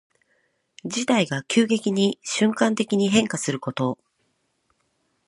事態が急激に瞬間的に変化すること。